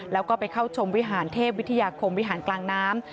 แล้วก็ไปเข้าชมวิหารเทพวิทยาคมวิหารกลางน้ำ